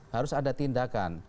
harus ada tindakan